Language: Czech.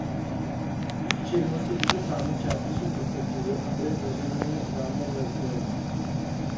Již v červnu se tyto fámy částečně potvrdily a byl zveřejněn záměr rozdělení.